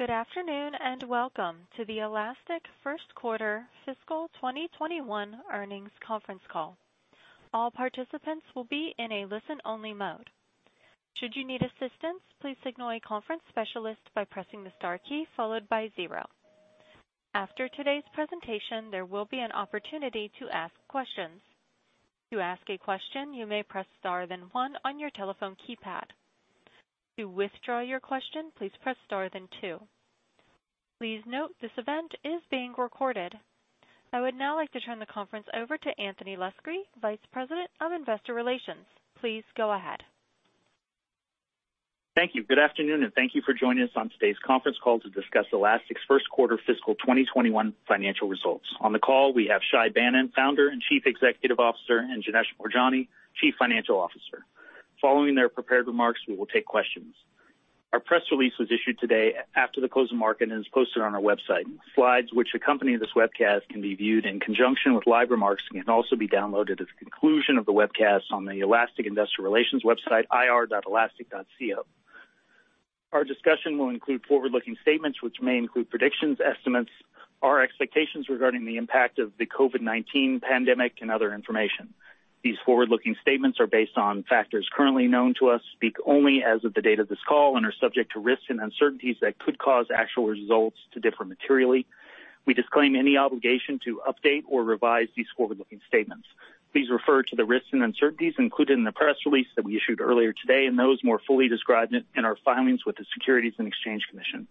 Good afternoon, and welcome to the Elastic first quarter fiscal 2021 earnings conference call. All participants will be in a listen-only mode. Should you need assistance, please signal a conference specialist by pressing the star key followed by zero. After today's presentation, there will be an opportunity to ask questions. To ask a question, you may press star then one on your telephone keypad. To withdraw your question, please press star then two. Please note this event is being recorded. I would now like to turn the conference over to Anthony Luscri, Vice President of Investor Relations. Please go ahead. Thank you. Good afternoon, thank you for joining us on today's conference call to discuss Elastic's first quarter fiscal 2021 financial results. On the call, we have Shay Banon, Founder and Chief Executive Officer, and Janesh Moorjani, Chief Financial Officer. Following their prepared remarks, we will take questions. Our press release was issued today after the close of market and is posted on our website. Slides which accompany this webcast can be viewed in conjunction with live remarks and can also be downloaded at the conclusion of the webcast on the Elastic Investor Relations website, ir.elastic.com. Our discussion will include forward-looking statements, which may include predictions, estimates, our expectations regarding the impact of the COVID-19 pandemic, and other information. These forward-looking statements are based on factors currently known to us, speak only as of the date of this call, and are subject to risks and uncertainties that could cause actual results to differ materially. We disclaim any obligation to update or revise these forward-looking statements. Please refer to the risks and uncertainties included in the press release that we issued earlier today and those more fully described in our filings with the Securities and Exchange Commission.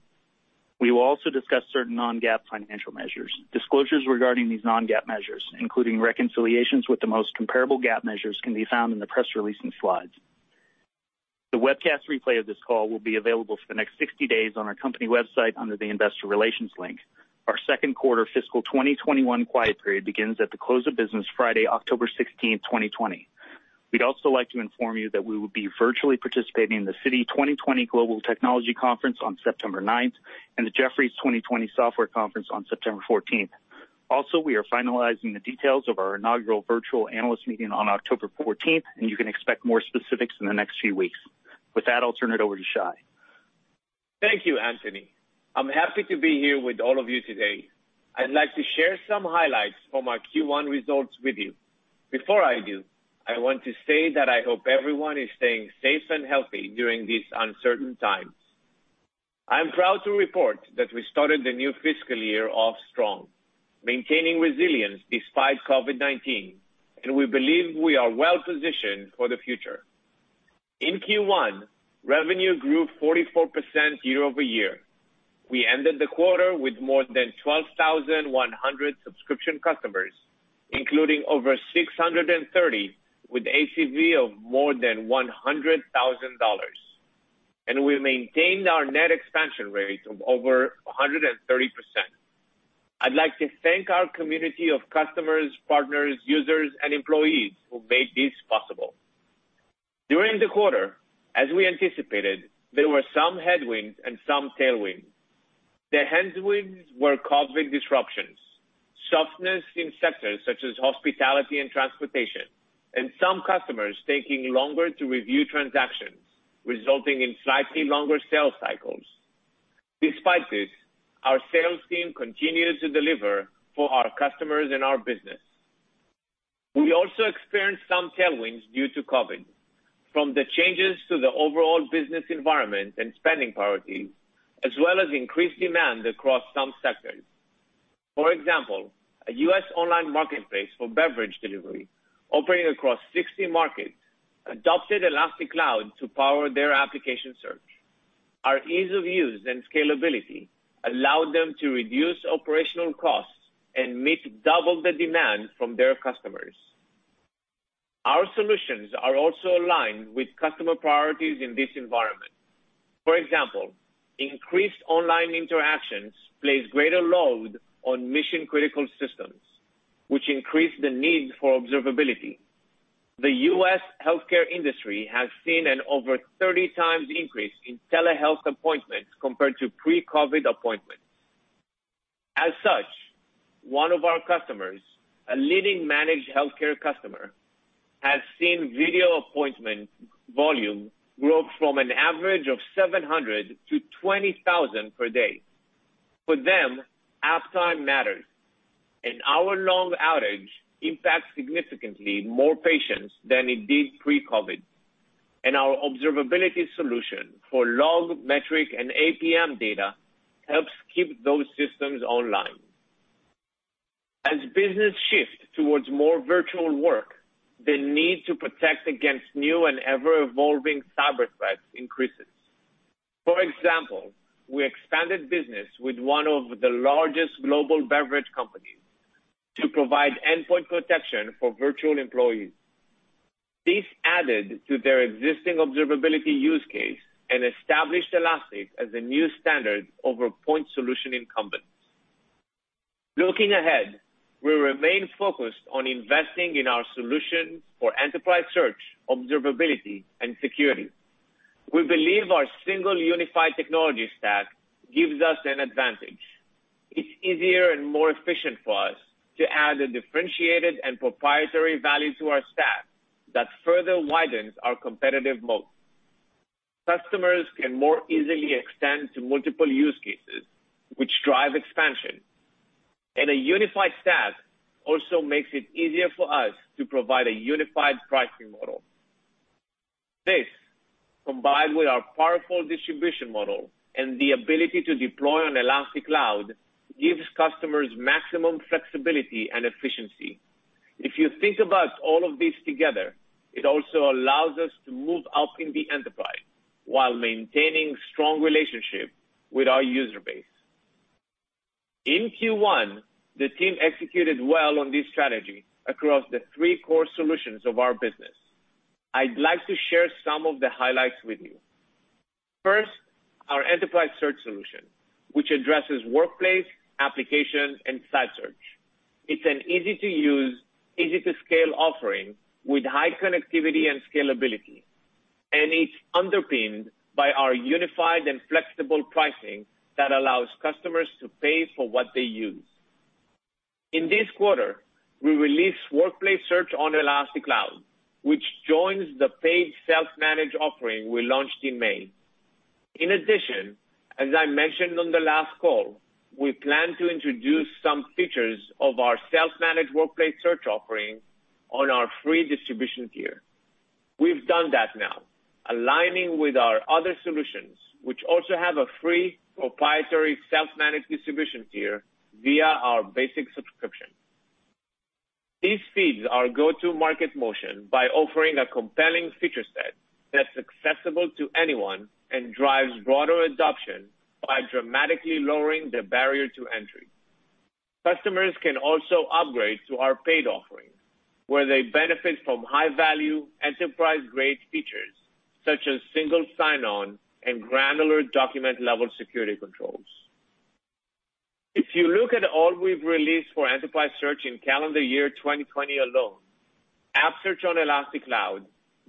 We will also discuss certain non-GAAP financial measures. Disclosures regarding these non-GAAP measures, including reconciliations with the most comparable GAAP measures can be found in the press release and slides. The webcast replay of this call will be available for the next 60 days on our company website under the Investor Relations link. Our second quarter fiscal 2021 quiet period begins at the close of business Friday, October 16, 2020. We'd also like to inform you that we will be virtually participating in the Citi 2020 Global Technology Conference on September 9th and the Jefferies 2020 Software Conference on September 14th. We are finalizing the details of our inaugural virtual analyst meeting on October 14th, and you can expect more specifics in the next few weeks. With that, I'll turn it over to Shay. Thank you, Anthony. I'm happy to be here with all of you today. I'd like to share some highlights from our Q1 results with you. Before I do, I want to say that I hope everyone is staying safe and healthy during these uncertain times. I'm proud to report that we started the new fiscal year off strong, maintaining resilience despite COVID-19, and we believe we are well-positioned for the future. In Q1, revenue grew 44% year-over-year. We ended the quarter with more than 12,100 subscription customers, including over 630 with ACV of more than $100,000. We maintained our net expansion rate of over 130%. I'd like to thank our community of customers, partners, users, and employees who made this possible. During the quarter, as we anticipated, there were some headwinds and some tailwinds. The headwinds were COVID disruptions, softness in sectors such as hospitality and transportation, and some customers taking longer to review transactions, resulting in slightly longer sales cycles. Despite this, our sales team continues to deliver for our customers and our business. We also experienced some tailwinds due to COVID, from the changes to the overall business environment and spending priorities, as well as increased demand across some sectors. For example, a U.S. online marketplace for beverage delivery operating across 60 markets adopted Elastic Cloud to power their application search. Our ease of use and scalability allowed them to reduce operational costs and meet double the demand from their customers. Our solutions are also aligned with customer priorities in this environment. For example, increased online interactions place greater load on mission-critical systems, which increase the need for observability. The U.S. healthcare industry has seen an over 30 times increase in telehealth appointments compared to pre-COVID appointments. As such, one of our customers, a leading managed healthcare customer, has seen video appointment volume grow from an average of 700 to 20,000 per day. For them, uptime matters. An hour-long outage impacts significantly more patients than it did pre-COVID, and our Observability solution for log, metric, and APM data helps keep those systems online. As business shifts towards more virtual work, the need to protect against new and ever-evolving cyber threats increases. For example, we expanded business with one of the largest global beverage companies to provide endpoint protection for virtual employees. This added to their existing observability use case and established Elastic as a new standard over point solution incumbents. Looking ahead, we remain focused on investing in our solutions for Enterprise Search, Observability, and Security. We believe our single unified technology stack gives us an advantage. It's easier and more efficient for us to add a differentiated and proprietary value to our stack further widens our competitive moat. Customers can more easily extend to multiple use cases, which drive expansion. A unified stack also makes it easier for us to provide a unified pricing model. This, combined with our powerful distribution model and the ability to deploy on Elastic Cloud, gives customers maximum flexibility and efficiency. If you think about all of these together, it also allows us to move up in the enterprise while maintaining strong relationship with our user base. In Q1, the team executed well on this strategy across the three core solutions of our business. I'd like to share some of the highlights with you. First, our Enterprise Search solution, which addresses workplace, application, and site search. It's an easy-to-use, easy-to-scale offering with high connectivity and scalability, and it's underpinned by our unified and flexible pricing that allows customers to pay for what they use. In this quarter, we released Workplace Search on Elastic Cloud, which joins the paid self-managed offering we launched in May. In addition, as I mentioned on the last call, we plan to introduce some features of our self-managed Workplace Search offering on our free distribution tier. We've done that now, aligning with our other solutions, which also have a free proprietary self-managed distribution tier via our basic subscription. These features are go-to-market motion by offering a compelling feature set that's accessible to anyone and drives broader adoption by dramatically lowering the barrier to entry. Customers can also upgrade to our paid offering, where they benefit from high-value enterprise-grade features such as single sign-on and granular document-level security controls. If you look at all we've released for Enterprise Search in calendar year 2020 alone, App Search on Elastic Cloud,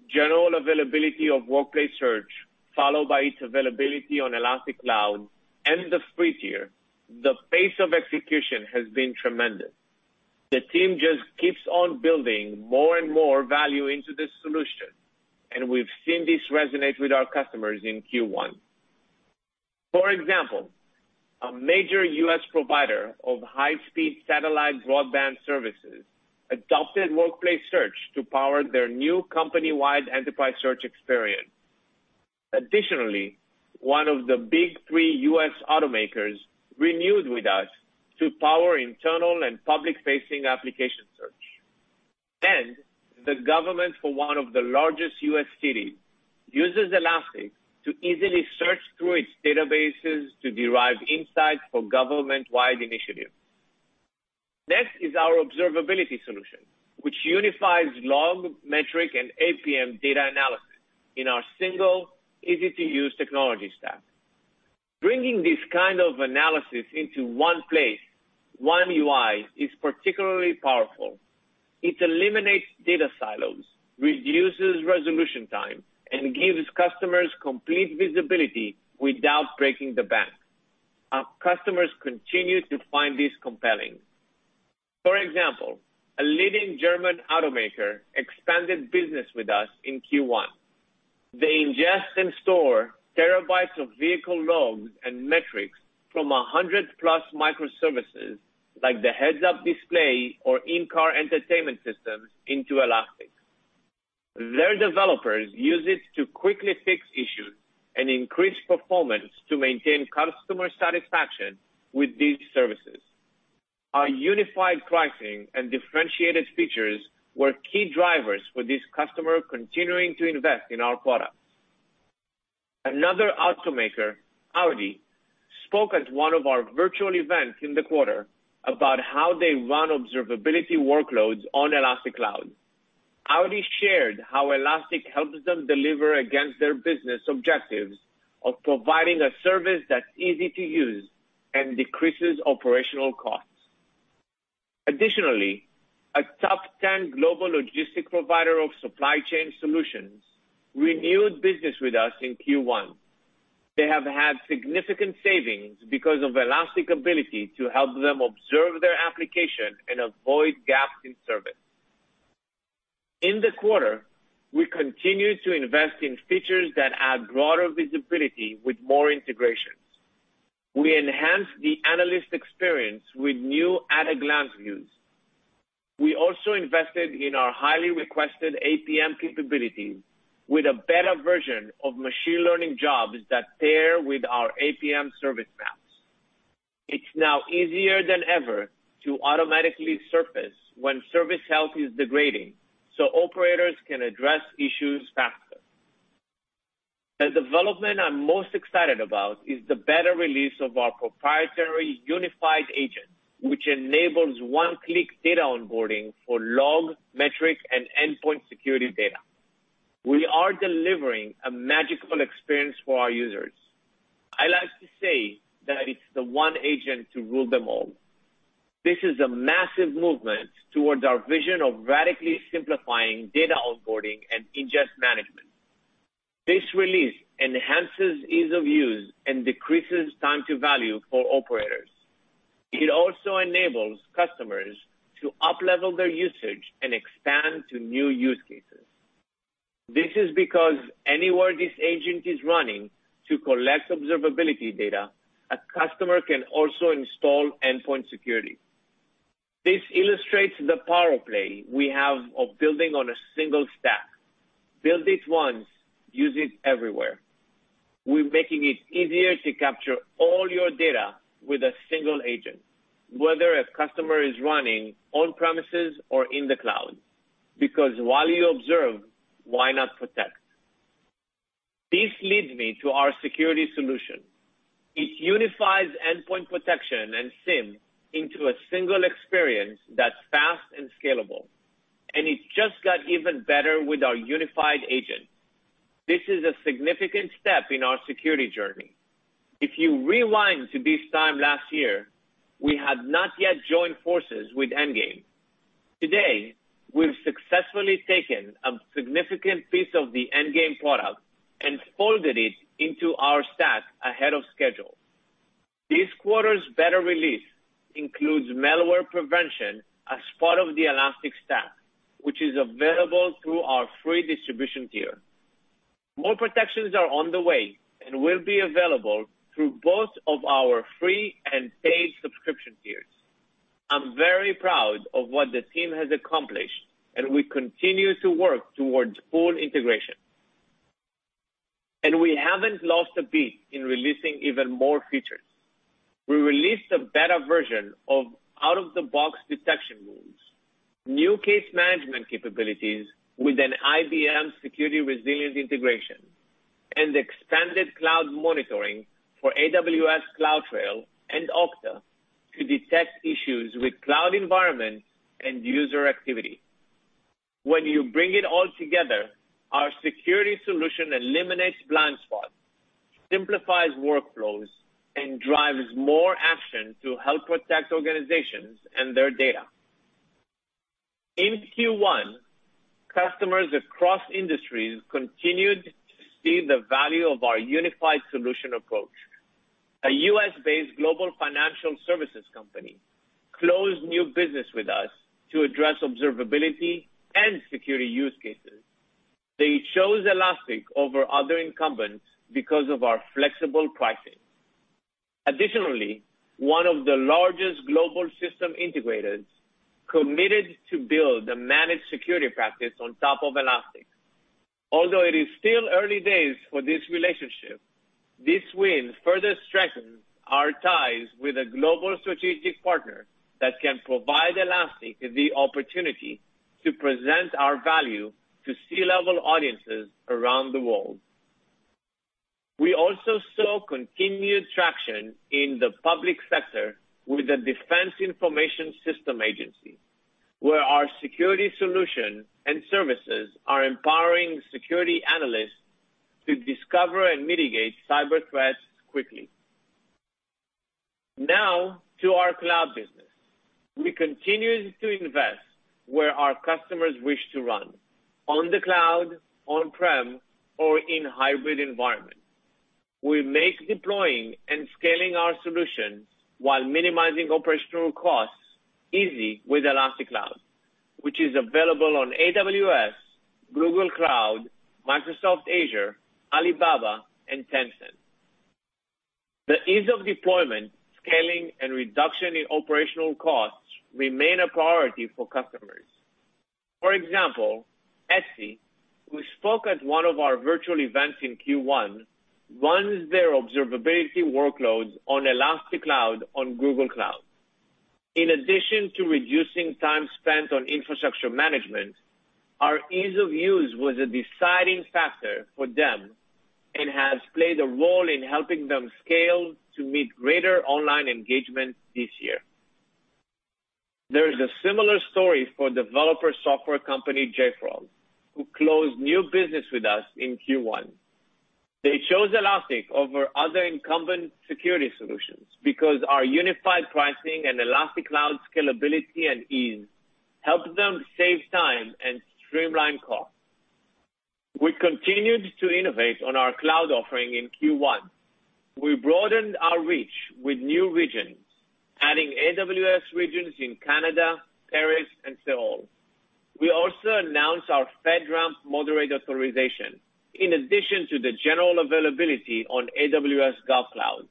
general availability of Workplace Search followed by its availability on Elastic Cloud and the free tier, the pace of execution has been tremendous. The team just keeps on building more and more value into this solution, and we've seen this resonate with our customers in Q1. For example, a major U.S. provider of high-speed satellite broadband services adopted Workplace Search to power their new company-wide Enterprise Search experience. Additionally, one of the big three U.S. automakers renewed with us to power internal and public-facing application search. The government for one of the largest U.S. cities uses Elastic to easily search through its databases to derive insights for government-wide initiatives. Next is our Observability solution, which unifies log, metric, and APM data analysis in our single easy-to-use technology stack. Bringing this kind of analysis into one place, one UI, is particularly powerful. It eliminates data silos, reduces resolution time, and gives customers complete visibility without breaking the bank. Our customers continue to find this compelling. For example, a leading German automaker expanded business with us in Q1. They ingest and store terabytes of vehicle logs and metrics from 100+ microservices, like the heads-up display or in-car entertainment systems, into Elastic. Their developers use it to quickly fix issues and increase performance to maintain customer satisfaction with these services. Our unified pricing and differentiated features were key drivers for this customer continuing to invest in our products. Another automaker, Audi, spoke at one of our virtual events in the quarter about how they run observability workloads on Elastic Cloud. Audi shared how Elastic helps them deliver against their business objectives of providing a service that's easy to use and decreases operational costs. Additionally, a top 10 global logistic provider of supply chain solutions renewed business with us in Q1. They have had significant savings because of Elastic ability to help them observe their application and avoid gaps in service. In the quarter, we continued to invest in features that add broader visibility with more integrations. We enhanced the analyst experience with new at-a-glance views. We also invested in our highly requested APM capabilities with a better version of machine learning jobs that pair with our APM service maps. It's now easier than ever to automatically surface when service health is degrading, so operators can address issues faster. The development I'm most excited about is the beta release of our proprietary unified agent, which enables one-click data onboarding for log, metric, and endpoint security data. We are delivering a magical experience for our users. I like to say that it's the one agent to rule them all. This is a massive movement towards our vision of radically simplifying data onboarding and ingest management. This release enhances ease of use and decreases time to value for operators. It also enables customers to up-level their usage and expand to new use cases. This is because anywhere this agent is running to collect observability data, a customer can also install endpoint security. This illustrates the power play we have of building on a single stack. Build it once, use it everywhere. We're making it easier to capture all your data with a single agent, whether a customer is running on-premises or in the cloud. Because while you observe, why not protect? This leads me to our Security solution. It unifies endpoint protection and SIEM into a single experience that's fast and scalable, and it just got even better with our unified agent. This is a significant step in our security journey. If you rewind to this time last year, we had not yet joined forces with Endgame. Today, we've successfully taken a significant piece of the Endgame product and folded it into our stack ahead of schedule. This quarter's beta release includes malware prevention as part of the Elastic Stack, which is available through our free distribution tier. More protections are on the way and will be available through both of our free and paid subscription tiers. I'm very proud of what the team has accomplished, and we continue to work towards full integration. We haven't lost a beat in releasing even more features. We released a beta version of out-of-the-box detection rules, new case management capabilities with an IBM Security Resilient integration, and expanded cloud monitoring for AWS CloudTrail and Okta to detect issues with cloud environments and user activity. When you bring it all together, our Security solution eliminates blind spots, simplifies workflows, and drives more action to help protect organizations and their data. In Q1, customers across industries continued to see the value of our unified solution approach. A U.S.-based global financial services company closed new business with us to address Observability and Security use cases. They chose Elastic over other incumbents because of our flexible pricing. Additionally, one of the largest global system integrators committed to build a managed security practice on top of Elastic. Although it is still early days for this relationship, this win further strengthens our ties with a global strategic partner that can provide Elastic the opportunity to present our value to C-level audiences around the world. We also saw continued traction in the public sector with the Defense Information Systems Agency, where our Security solution and services are empowering security analysts to discover and mitigate cyber threats quickly. Now to our cloud business. We continue to invest where our customers wish to run, on the cloud, on-prem, or in hybrid environments. We make deploying and scaling our solution while minimizing operational costs easy with Elastic Cloud, which is available on AWS, Google Cloud, Microsoft Azure, Alibaba, and Tencent. The ease of deployment, scaling, and reduction in operational costs remain a priority for customers. For example, Etsy, who spoke at one of our virtual events in Q1, runs their observability workloads on Elastic Cloud on Google Cloud. In addition to reducing time spent on infrastructure management, our ease of use was a deciding factor for them and has played a role in helping them scale to meet greater online engagement this year. There is a similar story for developer software company JFrog, who closed new business with us in Q1. They chose Elastic over other incumbent security solutions because our unified pricing and Elastic Cloud scalability and ease helped them save time and streamline costs. We continued to innovate on our cloud offering in Q1. We broadened our reach with new regions, adding AWS regions in Canada, Paris, and Seoul. We also announced our FedRAMP moderate authorization in addition to the general availability on AWS GovCloud,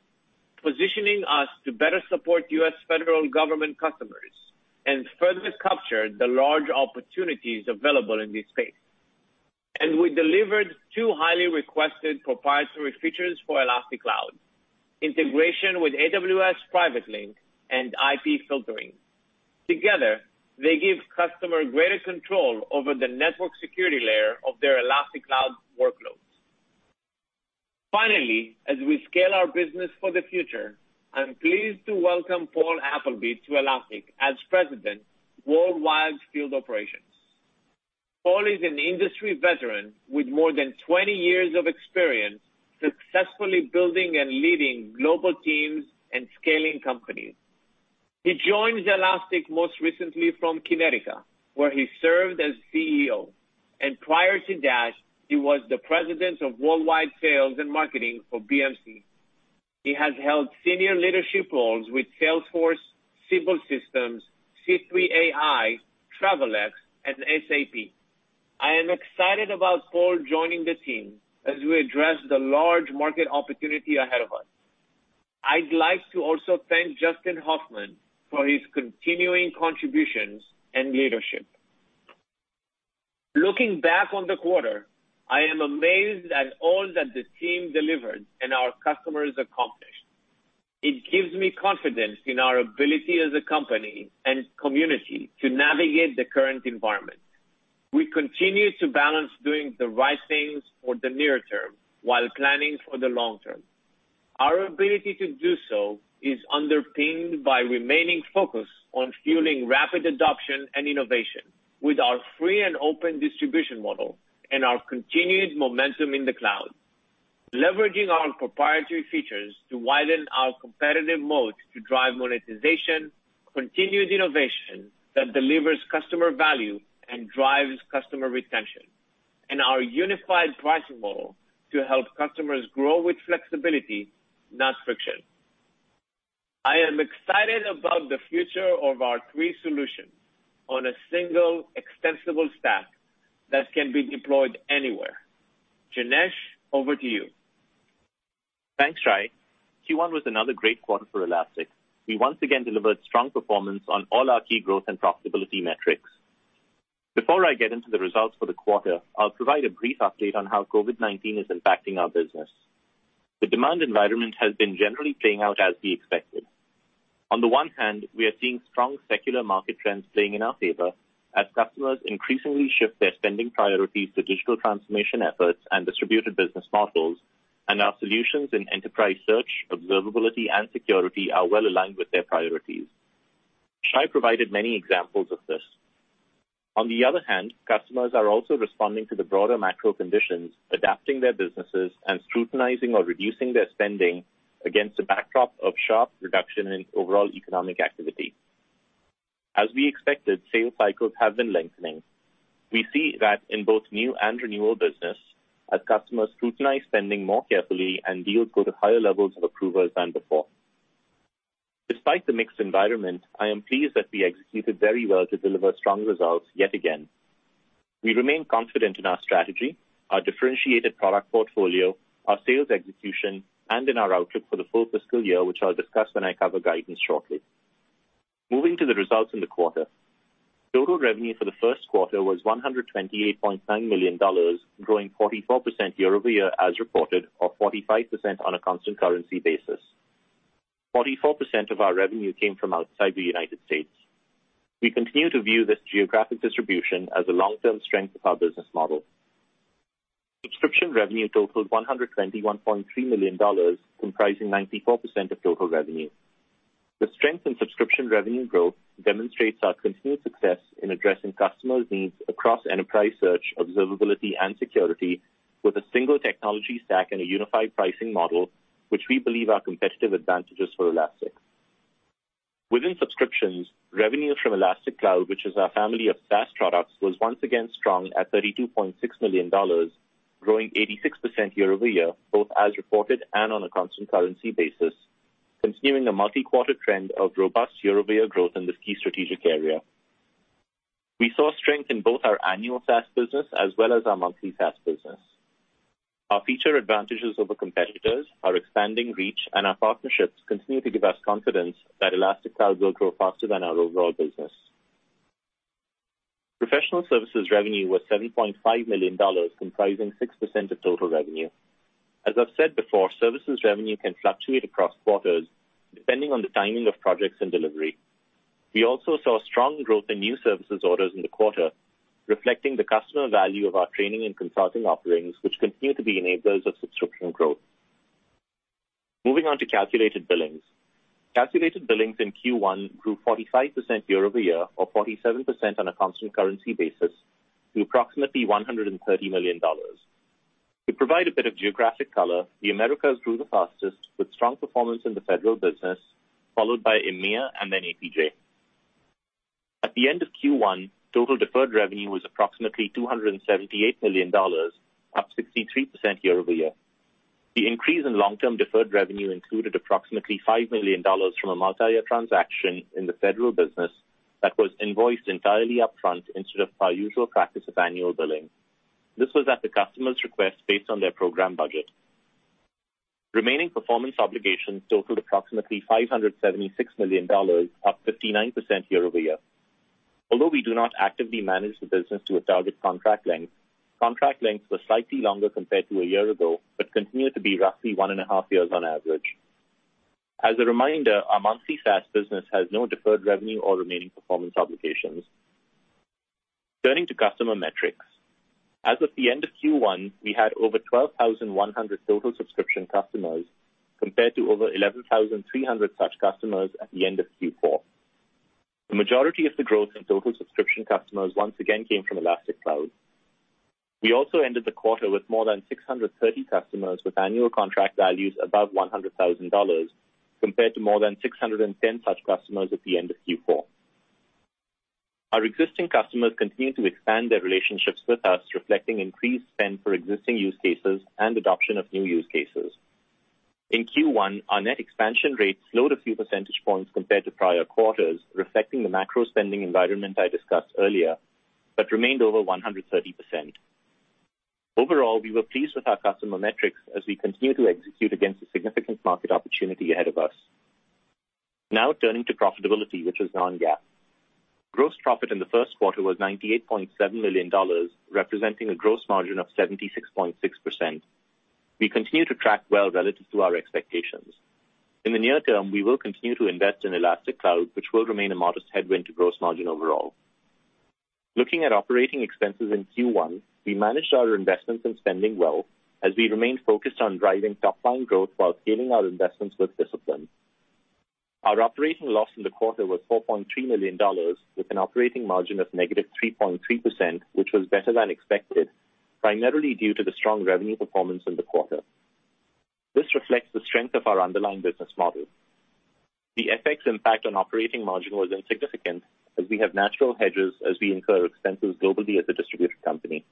positioning us to better support U.S. federal government customers and further capture the large opportunities available in this space. We delivered two highly requested proprietary features for Elastic Cloud, integration with AWS PrivateLink and IP filtering. Together, they give customer greater control over the network security layer of their Elastic Cloud workloads. Finally, as we scale our business for the future, I'm pleased to welcome Paul Appleby to Elastic as President, Worldwide Field Operations. Paul is an industry veteran with more than 20 years of experience successfully building and leading global teams and scaling companies. He joined Elastic most recently from Kinetica, where he served as CEO. Prior to that, he was the President of Worldwide Sales and Marketing for BMC. He has held senior leadership roles with Salesforce, Siebel Systems, C3 AI, Travelex and SAP. I am excited about Paul joining the team as we address the large market opportunity ahead of us. I'd like to also thank Justin Hoffman for his continuing contributions and leadership. Looking back on the quarter, I am amazed at all that the team delivered and our customers accomplished. It gives me confidence in our ability as a company and community to navigate the current environment. We continue to balance doing the right things for the near term while planning for the long term. Our ability to do so is underpinned by remaining focused on fueling rapid adoption and innovation with our free and open distribution model and our continued momentum in the cloud, leveraging our proprietary features to widen our competitive moat to drive monetization, continued innovation that delivers customer value and drives customer retention, and our unified pricing model to help customers grow with flexibility, not friction. I am excited about the future of our three solutions on a single extensible stack that can be deployed anywhere. Janesh, over to you. Thanks, Shay. Q1 was another great quarter for Elastic. We once again delivered strong performance on all our key growth and profitability metrics. Before I get into the results for the quarter, I'll provide a brief update on how COVID-19 is impacting our business. The demand environment has been generally playing out as we expected. On the one hand, we are seeing strong secular market trends playing in our favor as customers increasingly shift their spending priorities to digital transformation efforts and distributed business models, and our solutions in Enterprise Search, Observability, and Security are well aligned with their priorities. Shay provided many examples of this. On the other hand, customers are also responding to the broader macro conditions, adapting their businesses, and scrutinizing or reducing their spending against a backdrop of sharp reduction in overall economic activity. As we expected, sales cycles have been lengthening. We see that in both new and renewal business, as customers scrutinize spending more carefully and deals go to higher levels of approvals than before. Despite the mixed environment, I am pleased that we executed very well to deliver strong results yet again. We remain confident in our strategy, our differentiated product portfolio, our sales execution, and in our outlook for the full fiscal year, which I'll discuss when I cover guidance shortly. Moving to the results in the quarter. Total revenue for the first quarter was $128.9 million, growing 44% year-over-year as reported, or 45% on a constant currency basis. 44% of our revenue came from outside the U.S. We continue to view this geographic distribution as a long-term strength of our business model. Subscription revenue totaled $121.3 million, comprising 94% of total revenue. The strength in subscription revenue growth demonstrates our continued success in addressing customers' needs across Enterprise Search, Observability, and Security with a single technology stack and a unified pricing model, which we believe are competitive advantages for Elastic. Within subscriptions, revenue from Elastic Cloud, which is our family of SaaS products, was once again strong at $32.6 million, growing 86% year-over-year, both as reported and on a constant currency basis, continuing a multi-quarter trend of robust year-over-year growth in this key strategic area. We saw strength in both our annual SaaS business as well as our monthly SaaS business. Our feature advantages over competitors, our expanding reach, and our partnerships continue to give us confidence that Elastic Cloud will grow faster than our overall business. Professional services revenue was $7.5 million, comprising 6% of total revenue. As I've said before, services revenue can fluctuate across quarters depending on the timing of projects and delivery. We also saw strong growth in new services orders in the quarter, reflecting the customer value of our training and consulting offerings, which continue to be enablers of subscription growth. Moving on to calculated billings. Calculated billings in Q1 grew 45% year-over-year, or 47% on a constant currency basis, to approximately $130 million. To provide a bit of geographic color, the Americas grew the fastest with strong performance in the federal business, followed by EMEA and then APJ. At the end of Q1, total deferred revenue was approximately $278 million, up 63% year-over-year. The increase in long-term deferred revenue included approximately $5 million from a multi-year transaction in the federal business that was invoiced entirely upfront instead of our usual practice of annual billing. This was at the customer's request based on their program budget. Remaining performance obligations totaled approximately $576 million, up 59% year-over-year. Although we do not actively manage the business to a target contract length, contract lengths were slightly longer compared to a year ago, but continue to be roughly one and a half years on average. As a reminder, our monthly SaaS business has no deferred revenue or remaining performance obligations. Turning to customer metrics. As of the end of Q1, we had over 12,100 total subscription customers, compared to over 11,300 such customers at the end of Q4. The majority of the growth in total subscription customers once again came from Elastic Cloud. We also ended the quarter with more than 630 customers with annual contract values above $100,000, compared to more than 610 such customers at the end of Q4. Our existing customers continue to expand their relationships with us, reflecting increased spend for existing use cases and adoption of new use cases. In Q1, our net expansion rate slowed a few percentage points compared to prior quarters, reflecting the macro spending environment I discussed earlier, but remained over 130%. Overall, we were pleased with our customer metrics as we continue to execute against a significant market opportunity ahead of us. Now turning to profitability, which is non-GAAP. Gross profit in the first quarter was $98.7 million, representing a gross margin of 76.6%. We continue to track well relative to our expectations. In the near term, we will continue to invest in Elastic Cloud, which will remain a modest headwind to gross margin overall. Looking at operating expenses in Q1, we managed our investments and spending well as we remained focused on driving top-line growth while scaling our investments with discipline. Our operating loss in the quarter was $4.3 million, with an operating margin of -3.3%, which was better than expected, primarily due to the strong revenue performance in the quarter. This reflects the strength of our underlying business model. The FX impact on operating margin was insignificant, as we have natural hedges as we incur expenses globally as a distributed company.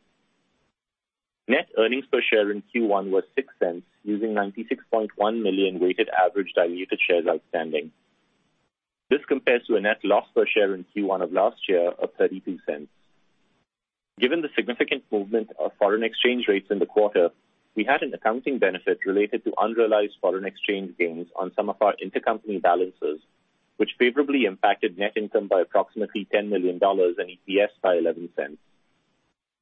Net earnings per share in Q1 were $0.06, using 96.1 million weighted average diluted shares outstanding. This compares to a net loss per share in Q1 of last year of $0.32. Given the significant movement of foreign exchange rates in the quarter, we had an accounting benefit related to unrealized foreign exchange gains on some of our intercompany balances, which favorably impacted net income by approximately $10 million and EPS by $0.11.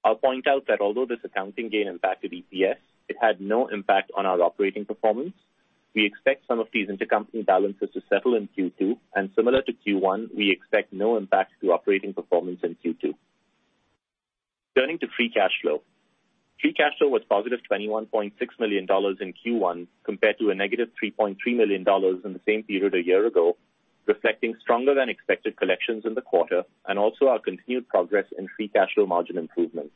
I'll point out that although this accounting gain impacted EPS, it had no impact on our operating performance. We expect some of these intercompany balances to settle in Q2, and similar to Q1, we expect no impact to operating performance in Q2. Turning to free cash flow. Free cash flow was positive $21.6 million in Q1 compared to a -$3.3 million in the same period a year ago, reflecting stronger-than-expected collections in the quarter and also our continued progress in free cash flow margin improvements.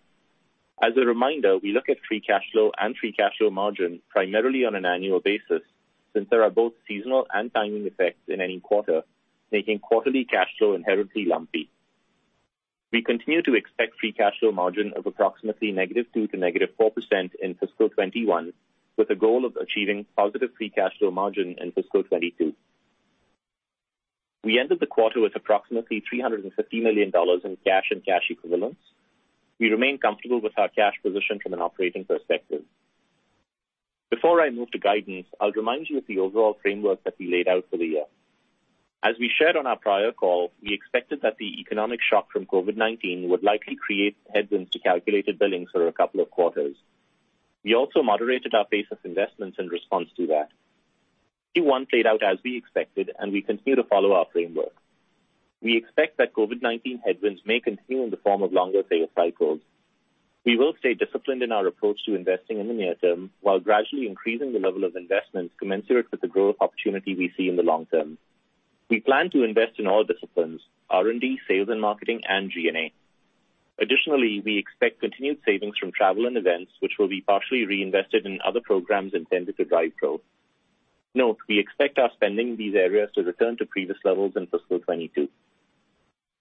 As a reminder, we look at free cash flow and free cash flow margin primarily on an annual basis since there are both seasonal and timing effects in any quarter, making quarterly cash flow inherently lumpy. We continue to expect free cash flow margin of approximately -2% to -4% in fiscal 2021, with a goal of achieving positive free cash flow margin in fiscal 2022. We ended the quarter with approximately $350 million in cash and cash equivalents. We remain comfortable with our cash position from an operating perspective. Before I move to guidance, I'll remind you of the overall framework that we laid out for the year. As we shared on our prior call, we expected that the economic shock from COVID-19 would likely create headwinds to calculated billings for a couple of quarters. We also moderated our pace of investments in response to that. Q1 played out as we expected, and we continue to follow our framework. We expect that COVID-19 headwinds may continue in the form of longer sales cycles. We will stay disciplined in our approach to investing in the near term while gradually increasing the level of investments commensurate with the growth opportunity we see in the long term. We plan to invest in all disciplines, R&D, sales and marketing, and G&A. Additionally, we expect continued savings from travel and events, which will be partially reinvested in other programs intended to drive growth. Note, we expect our spending in these areas to return to previous levels in fiscal 2022.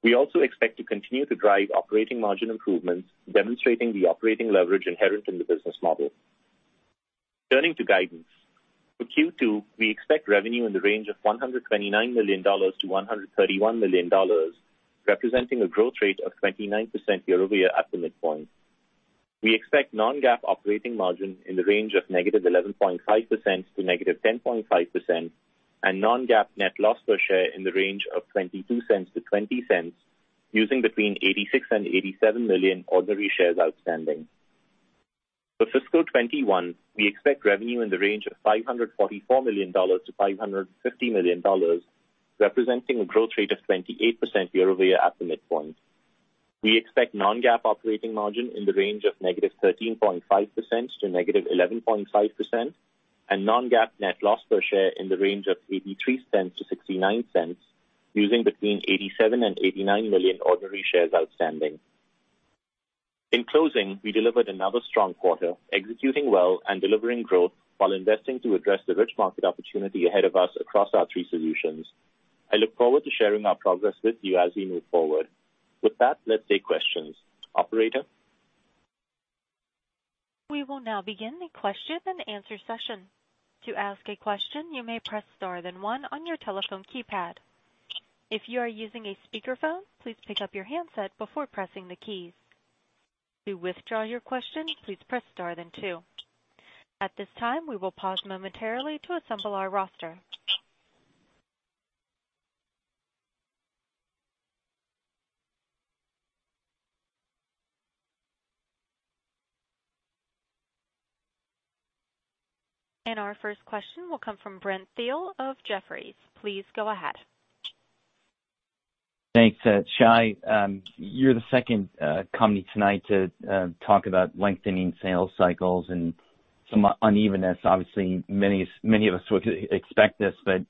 We also expect to continue to drive operating margin improvements, demonstrating the operating leverage inherent in the business model. Turning to guidance. For Q2, we expect revenue in the range of $129 million-$131 million, representing a growth rate of 29% year-over-year at the midpoint. We expect non-GAAP operating margin in the range of -11.5% to -10.5%, and non-GAAP net loss per share in the range of $0.22-$0.20, using between 86 million and 87 million ordinary shares outstanding. For fiscal 2021, we expect revenue in the range of $544 million-$550 million, representing a growth rate of 28% year-over-year at the midpoint. We expect non-GAAP operating margin in the range of -13.5% to -11.5%, and non-GAAP net loss per share in the range of $0.83-$0.69, using between 87 million and 89 million ordinary shares outstanding. In closing, we delivered another strong quarter, executing well and delivering growth while investing to address the rich market opportunity ahead of us across our three solutions. I look forward to sharing our progress with you as we move forward. With that, let's take questions. Operator? We will now begin the question and answer session. To ask a question, you may press star then one on your telephone keypad. If you are using a speakerphone, please pick up your handset before pressing the key. To withdraw your question, please press star then two. At this time, we will pause momentarily to assemble our roster. Our first question will come from Brent Thill of Jefferies. Please go ahead. Thanks, Shay. You're the second company tonight to talk about lengthening sales cycles and some unevenness. Obviously, many of us would expect this, but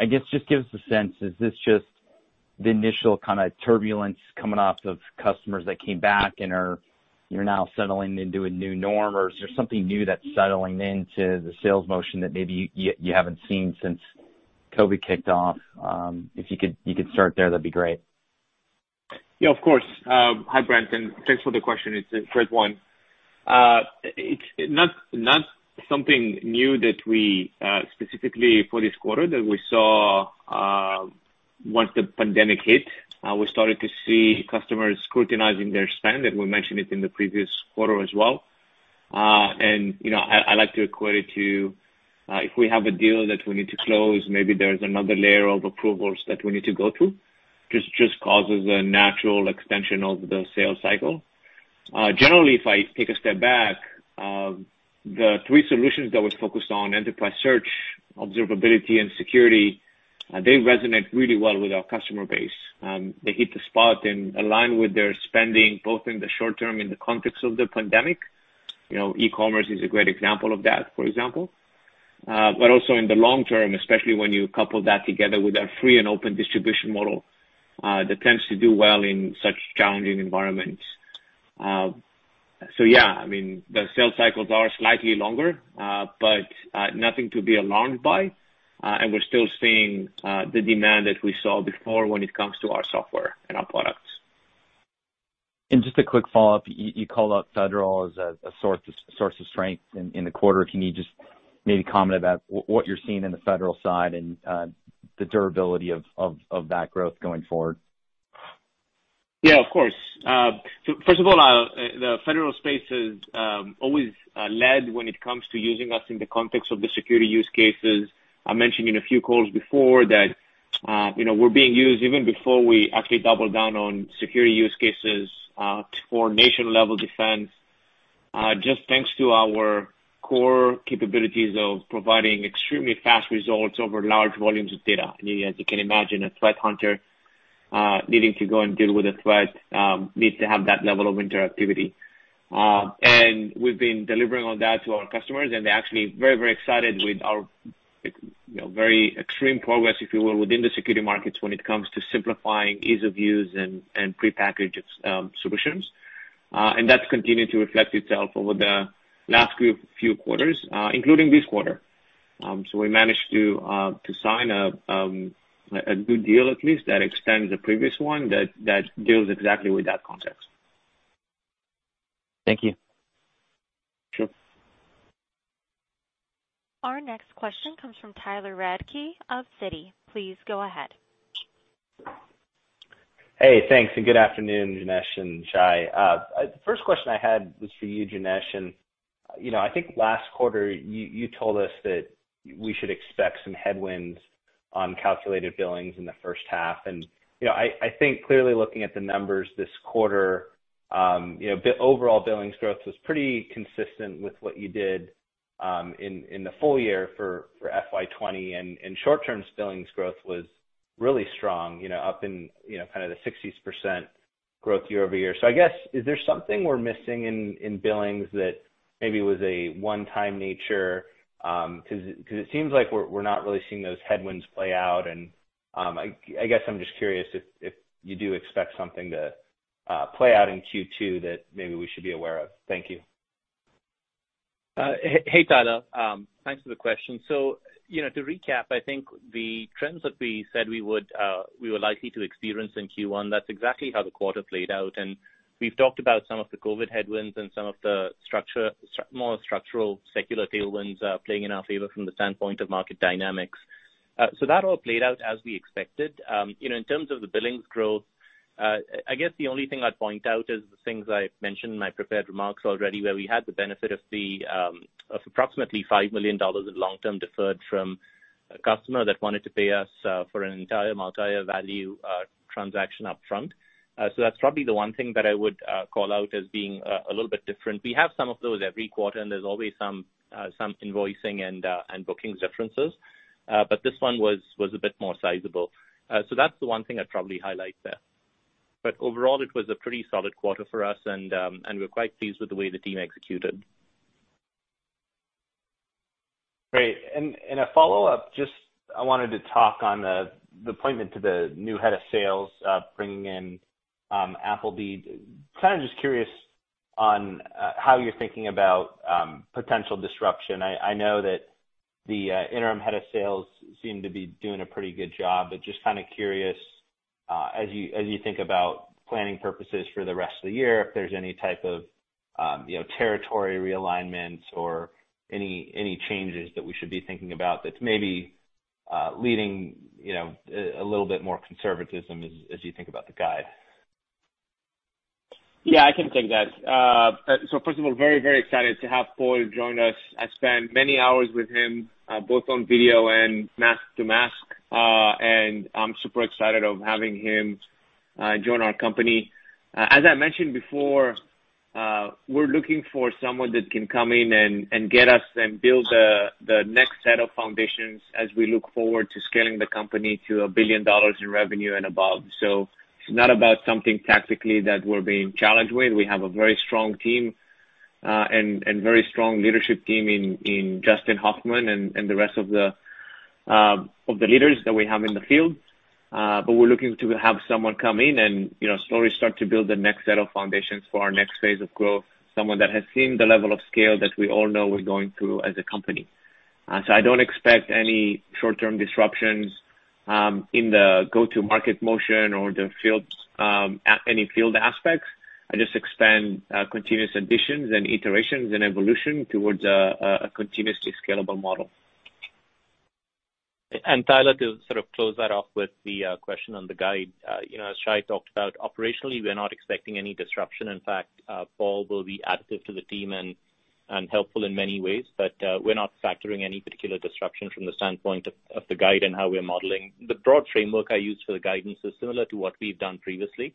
I guess, just give us a sense, is this just? The initial kind of turbulence coming off of customers that came back and you're now settling into a new norm, or is there something new that's settling into the sales motion that maybe you haven't seen since COVID kicked off? If you could start there, that'd be great. Yeah, of course. Hi, Brent, thanks for the question. It's a great one. It's not something new that we specifically for this quarter that we saw once the pandemic hit. We started to see customers scrutinizing their spend. We mentioned it in the previous quarter as well. I like to equate it to, if we have a deal that we need to close, maybe there's another layer of approvals that we need to go through. It just causes a natural extension of the sales cycle. Generally, if I take a step back, the three solutions that we're focused on, Enterprise Search, Observability, and Security, they resonate really well with our customer base. They hit the spot and align with their spending, both in the short term, in the context of the pandemic, e-commerce is a great example of that, for example. Also in the long term, especially when you couple that together with our free and open distribution model, that tends to do well in such challenging environments. Yeah, I mean, the sales cycles are slightly longer, but nothing to be alarmed by. We're still seeing the demand that we saw before when it comes to our software and our products. Just a quick follow-up. You called out Federal as a source of strength in the quarter. If you need just maybe comment about what you're seeing in the Federal side and the durability of that growth going forward. Yeah, of course. First of all, the Federal space has always led when it comes to using us in the context of the security use cases. I mentioned in a few calls before that we're being used even before we actually double down on security use cases for nation-level defense. Just thanks to our core capabilities of providing extremely fast results over large volumes of data. As you can imagine, a threat hunter needing to go and deal with a threat needs to have that level of interactivity. We've been delivering on that to our customers, and they're actually very excited with our very extreme progress, if you will, within the security markets when it comes to simplifying ease of use and prepackaged solutions. That's continued to reflect itself over the last few quarters, including this quarter. We managed to sign a good deal at least that extends the previous one that deals exactly with that context. Thank you. Sure. Our next question comes from Tyler Radke of Citi. Please go ahead. Thanks and good afternoon, Janesh and Shay. The first question I had was for you, Janesh, and I think last quarter you told us that we should expect some headwinds on calculated billings in the first half. I think clearly looking at the numbers this quarter, overall billings growth was pretty consistent with what you did in the full year for FY 2020. Short-term billings growth was really strong, up in kind of the 60s% growth year-over-year. I guess, is there something we're missing in billings that maybe was a one-time nature? Because it seems like we're not really seeing those headwinds play out. I guess I'm just curious if you do expect something to play out in Q2 that maybe we should be aware of. Thank you. Hey, Tyler. Thanks for the question. To recap, I think the trends that we said we were likely to experience in Q1, that's exactly how the quarter played out. We've talked about some of the COVID-19 headwinds and some of the more structural secular tailwinds playing in our favor from the standpoint of market dynamics. That all played out as we expected. In terms of the billings growth, I guess the only thing I'd point out is the things I mentioned in my prepared remarks already, where we had the benefit of approximately $5 million in long-term deferred from a customer that wanted to pay us for an entire multi-year value transaction up front. That's probably the one thing that I would call out as being a little bit different. We have some of those every quarter, there's always some invoicing and booking differences. This one was a bit more sizable. That's the one thing I'd probably highlight there. Overall, it was a pretty solid quarter for us, and we're quite pleased with the way the team executed. Great. A follow-up, just I wanted to talk on the appointment to the new head of sales, bringing in Appleby. Kind of just curious on how you're thinking about potential disruption. I know that the interim head of sales seemed to be doing a pretty good job, but just kind of curious, as you think about planning purposes for the rest of the year, if there's any type of territory realignments or any changes that we should be thinking about that's maybe leading a little bit more conservatism as you think about the guide. Yeah, I can take that. First of all, very excited to have Paul join us. I spent many hours with him, both on video and mask to mask. I'm super excited of having him join our company. As I mentioned before, we're looking for someone that can come in and get us and build the next set of foundations as we look forward to scaling the company to $1 billion in revenue and above. It's not about something tactically that we're being challenged with. We have a very strong team and very strong leadership team in Justin Hoffman and the rest of the leaders that we have in the field. We're looking to have someone come in and slowly start to build the next set of foundations for our next phase of growth, someone that has seen the level of scale that we all know we're going to as a company. I don't expect any short-term disruptions in the go-to-market motion or any field aspects. I just expect continuous additions and iterations and evolution towards a continuously scalable model. Tyler, to sort of close that off with the question on the guide. As Shay talked about, operationally, we're not expecting any disruption. In fact, Paul will be additive to the team and helpful in many ways. But we're not factoring any particular disruption from the standpoint of the guide and how we're modeling. The broad framework I use for the guidance is similar to what we've done previously.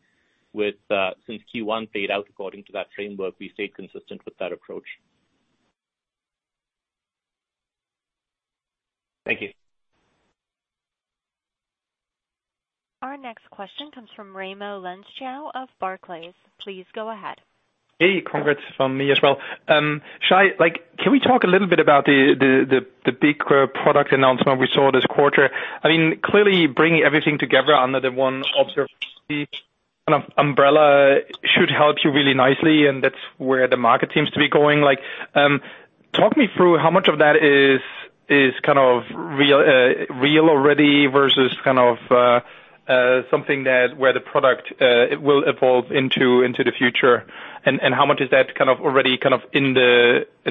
Since Q1 played out according to that framework, we stayed consistent with that approach. Thank you. Our next question comes from Raimo Lenschow of Barclays. Please go ahead. Hey, congrats from me as well. Shay, can we talk a little bit about the big product announcement we saw this quarter? Clearly bringing everything together under the one Observability kind of umbrella should help you really nicely, and that's where the market seems to be going. Talk me through how much of that is kind of real already versus something where the product will evolve into the future, and how much is that already in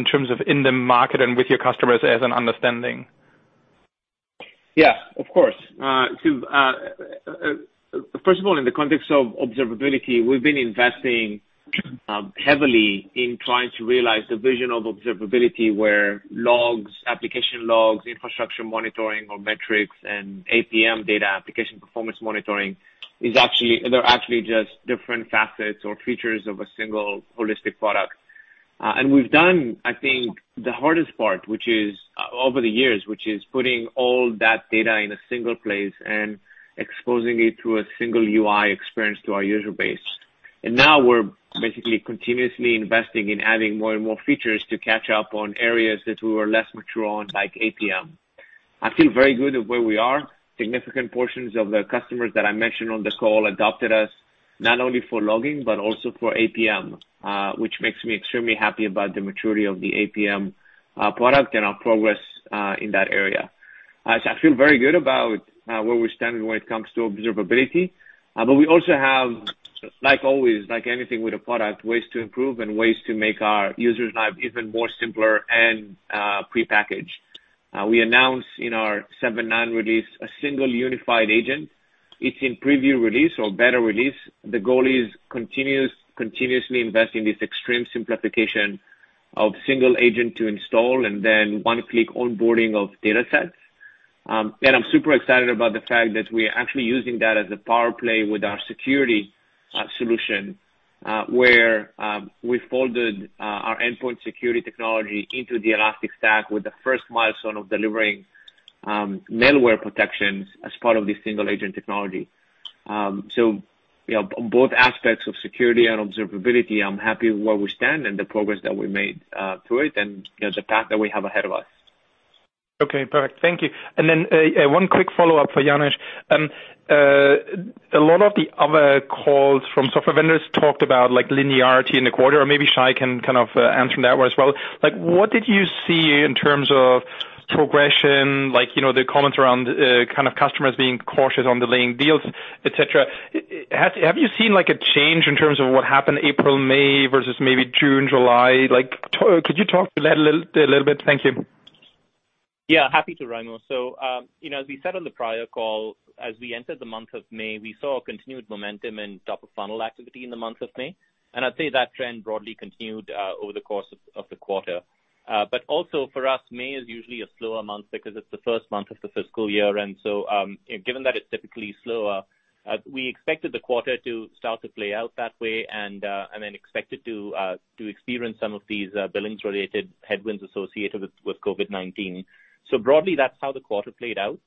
terms of in the market and with your customers as an understanding? Yeah, of course. First of all, in the context of Observability, we've been investing heavily in trying to realize the vision of Observability, where logs, application logs, infrastructure monitoring or metrics, and APM data application performance monitoring, they're actually just different facets or features of a single holistic product. We've done, I think, the hardest part over the years, which is putting all that data in a single place and exposing it to a single UI experience to our user base. Now we're basically continuously investing in adding more and more features to catch up on areas that we were less mature on, like APM. I feel very good at where we are. Significant portions of the customers that I mentioned on the call adopted us not only for logging, but also for APM, which makes me extremely happy about the maturity of the APM product and our progress in that area. I feel very good about where we're standing when it comes to Observability. We also have, like always, like anything with a product, ways to improve and ways to make our users life even more simpler and prepackaged. We announced in our 7.9 release a single unified agent. It's in preview release or beta release. The goal is continuously invest in this extreme simplification of single agent to install and then one-click onboarding of data sets. I'm super excited about the fact that we are actually using that as a power play with our Security solution, where we folded our endpoint security technology into the Elastic Stack with the first milestone of delivering malware protections as part of the single agent technology. Both aspects of Security and Observability, I'm happy with where we stand and the progress that we made to it and the path that we have ahead of us. Okay, perfect. Thank you. One quick follow-up for Janesh. A lot of the other calls from software vendors talked about linearity in the quarter, or maybe Shay can kind of answer on that one as well. What did you see in terms of progression, the comments around customers being cautious on delaying deals, et cetera. Have you seen a change in terms of what happened April, May, versus maybe June, July? Could you talk to that a little bit? Thank you. Happy to, Raimo. As we said on the prior call, as we entered the month of May, we saw continued momentum in top-of-funnel activity in the month of May. I'd say that trend broadly continued over the course of the quarter. Also for us, May is usually a slower month because it's the first month of the fiscal year. Given that it's typically slower, we expected the quarter to start to play out that way and then expected to experience some of these billings-related headwinds associated with COVID-19. Broadly, that's how the quarter played out.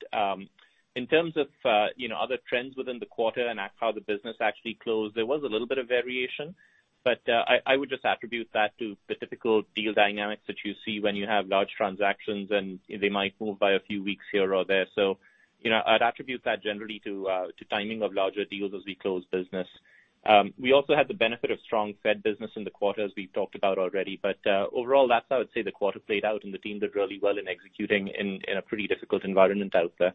In terms of other trends within the quarter and how the business actually closed, there was a little bit of variation. I would just attribute that to the typical deal dynamics that you see when you have large transactions, and they might move by a few weeks here or there. I'd attribute that generally to timing of larger deals as we close business. We also had the benefit of strong Fed business in the quarter, as we've talked about already. Overall, that's how I would say the quarter played out, and the team did really well in executing in a pretty difficult environment out there.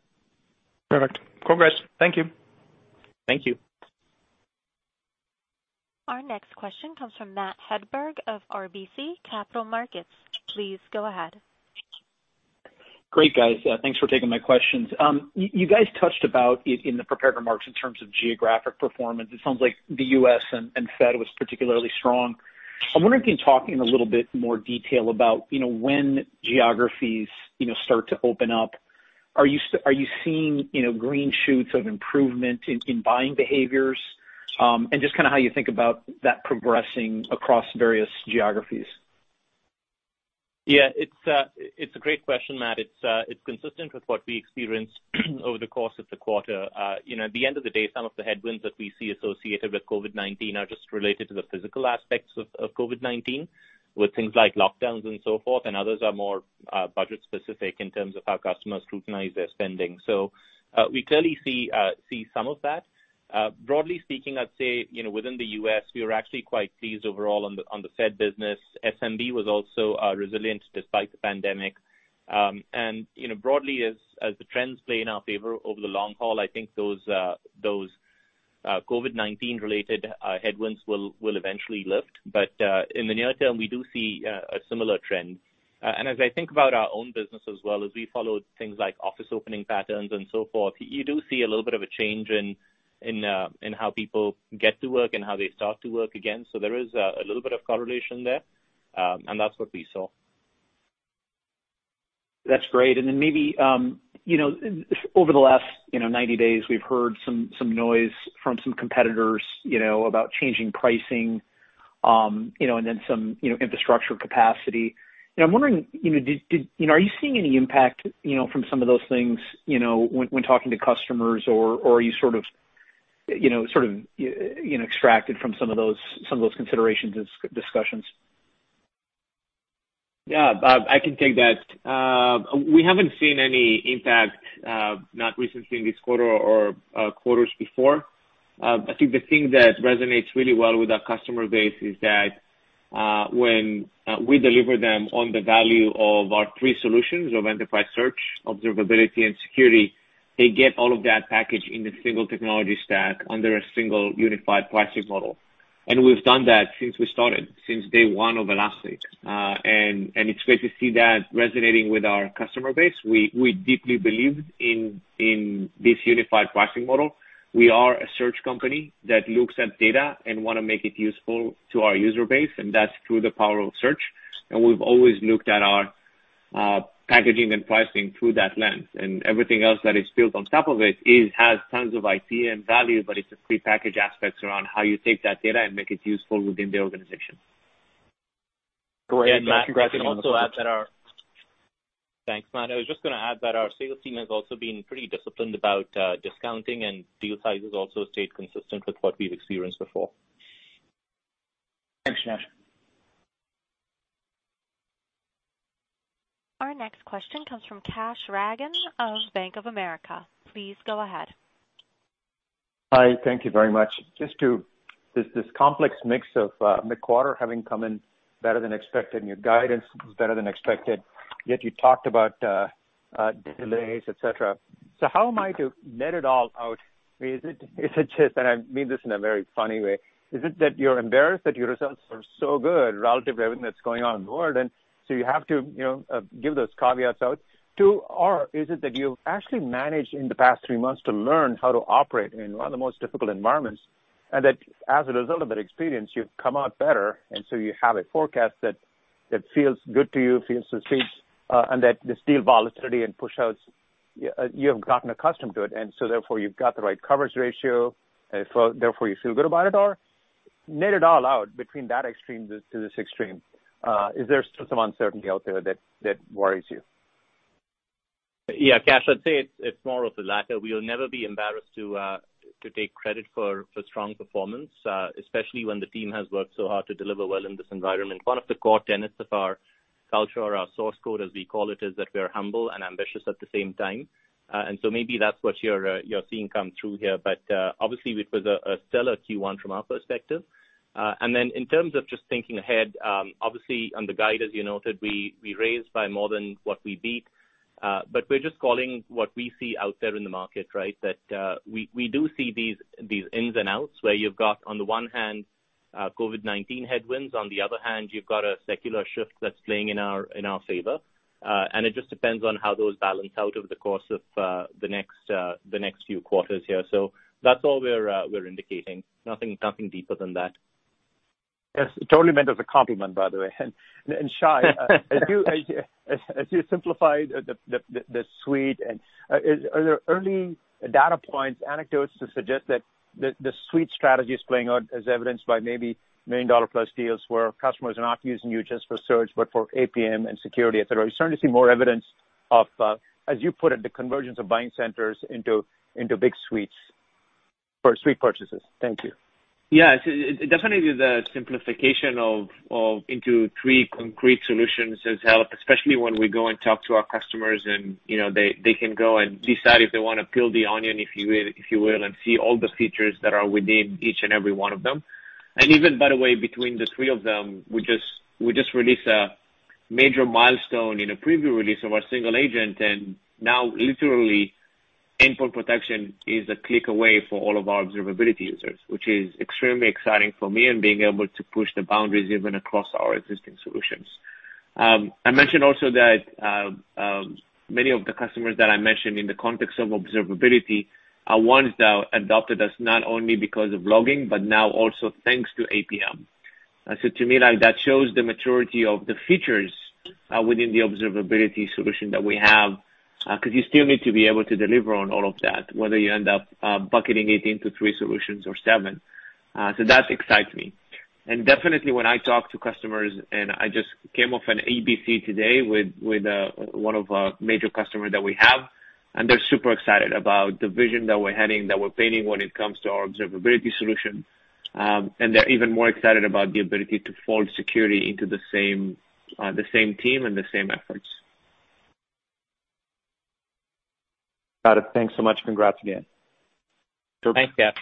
Perfect. Congrats. Thank you. Thank you. Our next question comes from Matt Hedberg of RBC Capital Markets. Please go ahead. Great, guys. Thanks for taking my questions. You guys touched about it in the prepared remarks in terms of geographic performance. It sounds like the U.S. and Fed was particularly strong. I'm wondering if you can talk in a little bit more detail about when geographies start to open up. Are you seeing green shoots of improvement in buying behaviors? Just how you think about that progressing across various geographies. It's a great question, Matt. It's consistent with what we experienced over the course of the quarter. At the end of the day, some of the headwinds that we see associated with COVID-19 are just related to the physical aspects of COVID-19, with things like lockdowns and so forth, and others are more budget specific in terms of how customers scrutinize their spending. We clearly see some of that. Broadly speaking, I'd say, within the U.S., we were actually quite pleased overall on the Fed business. SMB was also resilient despite the pandemic. Broadly, as the trends play in our favor over the long haul, I think those COVID-19 related headwinds will eventually lift. In the near term, we do see a similar trend. As I think about our own business as well, as we follow things like office opening patterns and so forth, you do see a little bit of a change in how people get to work and how they start to work again. There is a little bit of correlation there, and that's what we saw. That's great. Maybe, over the last 90 days, we've heard some noise from some competitors about changing pricing, and then some infrastructure capacity. I'm wondering, are you seeing any impact from some of those things when talking to customers or are you sort of extracted from some of those considerations and discussions? Yeah. I can take that. We haven't seen any impact, not recently in this quarter or quarters before. I think the thing that resonates really well with our customer base is that when we deliver them on the value of our three solutions of Enterprise Search, Observability and Security, they get all of that package in a single technology stack under a single unified pricing model. We've done that since we started, since day one of Elastic. It's great to see that resonating with our customer base. We deeply believe in this unified pricing model. We are a search company that looks at data and want to make it useful to our user base, and that's through the power of search. We've always looked at our packaging and pricing through that lens. Everything else that is built on top of it has tons of idea and value, but it's a prepackaged aspects around how you take that data and make it useful within the organization. Great. Congratulations. Thanks, Matt. I was just going to add that our sales team has also been pretty disciplined about discounting and deal sizes also stayed consistent with what we've experienced before. Thanks, Janesh. Our next question comes from Kash Rangan of Bank of America. Please go ahead. Hi. Thank you very much. Just to this complex mix of mid-quarter having come in better than expected and your guidance is better than expected, yet you talked about delays, et cetera. How am I to net it all out? Is it just, and I mean this in a very funny way, is it that you're embarrassed that your results are so good relative to everything that's going on in the world, you have to give those caveats out? Is it that you've actually managed in the past three months to learn how to operate in one of the most difficult environments, and that as a result of that experience, you've come out better, and so you have a forecast that feels good to you, feels succinct, and that the still volatility and push outs, you have gotten accustomed to it, and so therefore, you've got the right coverage ratio, and so therefore you feel good about it? Net it all out between that extreme to this extreme. Is there still some uncertainty out there that worries you? Yeah, Kash, I'd say it's more of the latter. We'll never be embarrassed to take credit for strong performance, especially when the team has worked so hard to deliver well in this environment. One of the core tenets of our culture, our source code, as we call it, is that we are humble and ambitious at the same time. Maybe that's what you're seeing come through here. Obviously it was a stellar Q1 from our perspective. In terms of just thinking ahead, obviously on the guide, as you noted, we raised by more than what we beat. We're just calling what we see out there in the market, right? That we do see these ins and outs where you've got, on the one hand, COVID-19 headwinds, on the other hand, you've got a secular shift that's playing in our favor. It just depends on how those balance out over the course of the next few quarters here. That's all we're indicating. Nothing deeper than that. Yes. Totally meant as a compliment, by the way. Shay, as you simplified the suite and, are there early data points, anecdotes to suggest that the suite strategy is playing out as evidenced by maybe million-dollar plus deals where customers are not using you just for Search, but for APM and Security, et cetera? Are you starting to see more evidence of, as you put it, the convergence of buying centers into big suites for suite purchases? Thank you. Definitely the simplification into three concrete solutions has helped, especially when we go and talk to our customers and they can go and decide if they want to peel the onion, if you will, and see all the features that are within each and every one of them. Even, by the way, between the three of them, we just released a major milestone in a preview release of our single agent, now literally endpoint protection is a click away for all of our Observability users, which is extremely exciting for me and being able to push the boundaries even across our existing solutions. I mentioned also that many of the customers that I mentioned in the context of Observability are ones that adopted us not only because of logging, but now also thanks to APM. To me, that shows the maturity of the features within the Observability solution that we have, because you still need to be able to deliver on all of that, whether you end up bucketing it into three solutions or seven. That excites me. Definitely when I talk to customers, and I just came off an EBC today with one of our major customers that we have, and they're super excited about the vision that we're heading, that we're painting when it comes to our Observability solution. They're even more excited about the ability to fold security into the same team and the same efforts. Got it. Thanks so much. Congrats again. Sure. Thanks, Kash.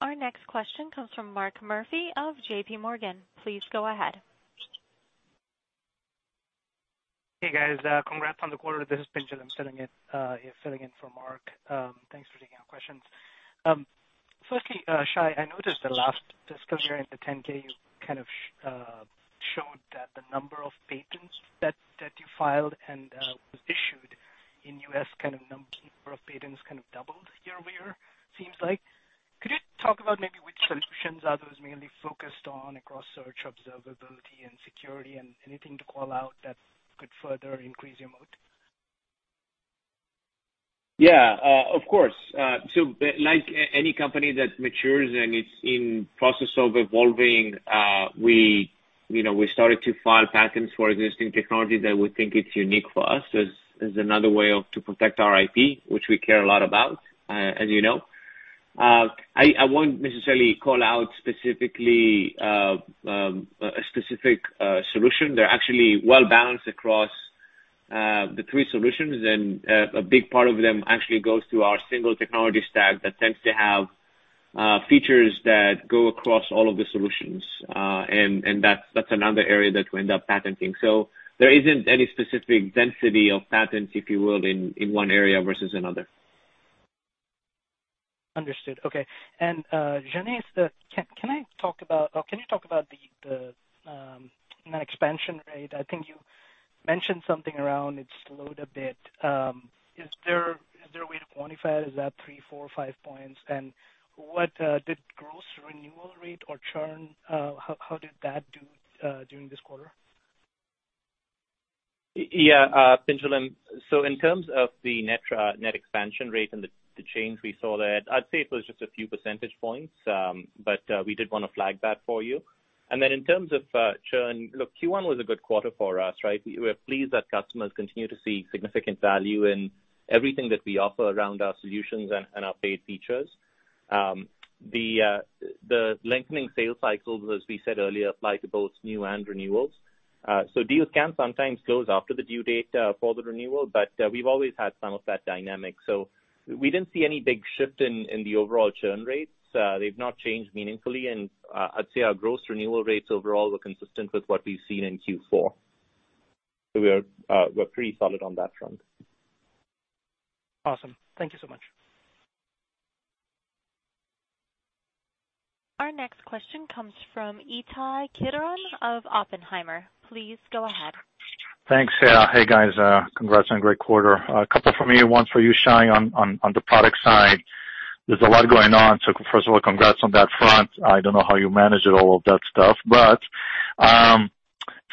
Our next question comes from Mark Murphy of JPMorgan. Please go ahead. Hey, guys. Congrats on the quarter. This is Pinjalim. I'm filling in for Mark. Thanks for taking our questions. Firstly, Shay, I noticed the last disclosure in the 10-K, you kind of showed that the number of patents that you filed and was issued in U.S., kind of number of patents kind of doubled year-over-year, seems like. Could you talk about maybe which solutions are those mainly focused on across Search, Observability, and Security, and anything to call out that could further increase your moat? Yeah. Of course. Like any company that matures and it's in process of evolving, we started to file patents for existing technology that we think it's unique for us, as another way to protect our IP, which we care a lot about, as you know. I won't necessarily call out specifically a specific solution. They're actually well-balanced across the three solutions. A big part of them actually goes to our single technology stack that tends to have features that go across all of the solutions. That's another area that we end up patenting. There isn't any specific density of patents, if you will, in one area versus another. Understood. Okay. Janesh, can you talk about the net expansion rate? I think you mentioned something around it slowed a bit. Is there a way to quantify it? Is that three, four, or five points? The gross renewal rate or churn, how did that do during this quarter? Pinjalim. In terms of the net expansion rate and the change we saw there, I'd say it was just a few percentage points. We did want to flag that for you. In terms of churn, look, Q1 was a good quarter for us, right? We're pleased that customers continue to see significant value in everything that we offer around our solutions and our paid features. The lengthening sales cycles, as we said earlier, apply to both new and renewals. Deals can sometimes close after the due date for the renewal, but we've always had some of that dynamic. We didn't see any big shift in the overall churn rates. They've not changed meaningfully, and I'd say our gross renewal rates overall were consistent with what we've seen in Q4. We're pretty solid on that front. Awesome. Thank you so much. Our next question comes from Ittai Kidron of Oppenheimer. Please go ahead. Thanks. Hey, guys. Congrats on a great quarter. A couple from me, one for you, Shay, on the product side. There's a lot going on. First of all, congrats on that front. I don't know how you managed all of that stuff,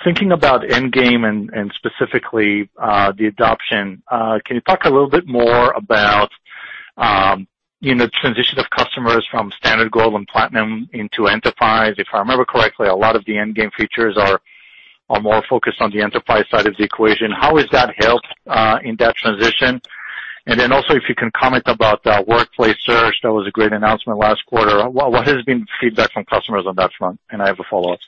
thinking about Endgame and specifically, the adoption, can you talk a little bit more about transition of customers from Standard, Gold, and Platinum into Enterprise? If I remember correctly, a lot of the Endgame features are more focused on the Enterprise side of the equation. How has that helped in that transition? Then also, if you can comment about Workplace Search, that was a great announcement last quarter. What has been the feedback from customers on that front? I have a follow-up.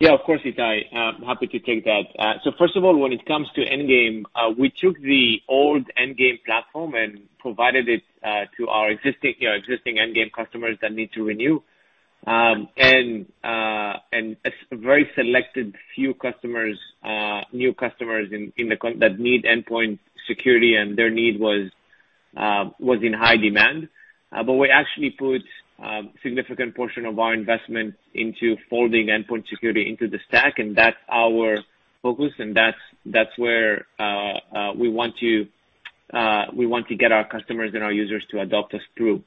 Yeah, of course, Ittai. I'm happy to take that. First of all, when it comes to Endgame, we took the old Endgame platform and provided it to our existing Endgame customers that need to renew. A very selected few customers, new customers that need endpoint security and their need was in high demand. We actually put a significant portion of our investment into folding endpoint security into the stack, and that's our focus, and that's where we want to get our customers and our users to adopt us through.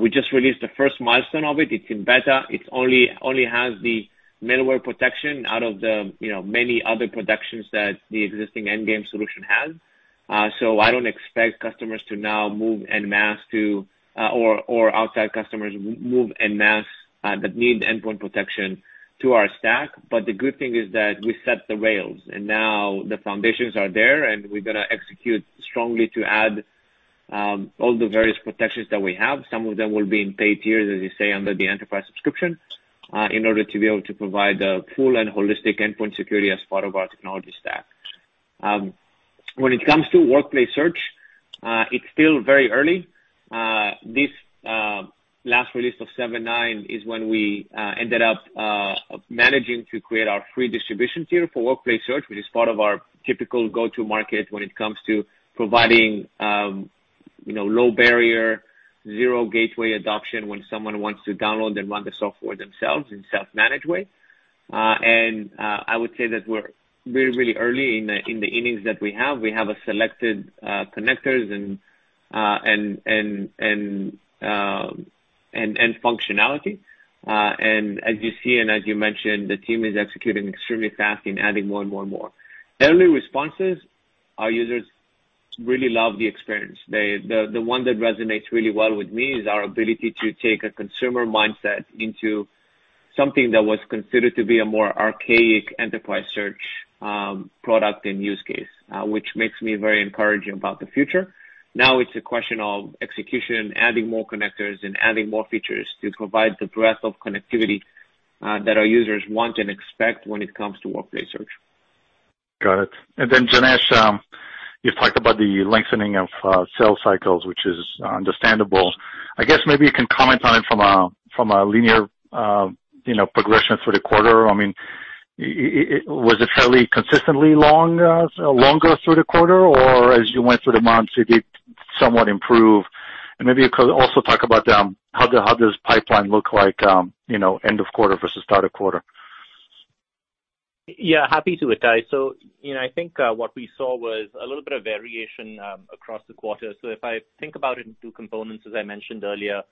We just released the first milestone of it. It's in beta. It only has the malware protection out of the many other protections that the existing Endgame solution has. I don't expect customers to now move en masse to, or outside customers move en masse that need endpoint protection to our stack. The good thing is that we set the rails, and now the foundations are there, and we're going to execute strongly to add all the various protections that we have. Some of them will be in paid tiers, as you say, under the Enterprise subscription, in order to be able to provide the full and holistic endpoint security as part of our technology stack. When it comes to Workplace Search, it's still very early. This last release of 7.9 is when we ended up managing to create our free distribution tier for Workplace Search, which is part of our typical go-to market when it comes to providing low barrier, zero gateway adoption when one wants to download and run the software themselves in self-managed way. I would say that we're really early in the innings that we have. We have selected connectors and functionality. As you see and as you mentioned, the team is executing extremely fast in adding more and more and more. Early responses, our users really love the experience. The one that resonates really well with me is our ability to take a consumer mindset into something that was considered to be a more archaic Enterprise Search product and use case, which makes me very encouraging about the future. Now it's a question of execution, adding more connectors, and adding more features to provide the breadth of connectivity that our users want and expect when it comes to Workplace Search. Got it. Janesh, you've talked about the lengthening of sales cycles, which is understandable. I guess maybe you can comment on it from a linear progression through the quarter. Was it fairly consistently longer through the quarter, or as you went through the months, did it somewhat improve? Maybe you could also talk about how does pipeline look like end of quarter versus start of quarter. Yeah, happy to, Ittai. I think what we saw was a little bit of variation across the quarter. If I think about it in two components, as I mentioned earlier,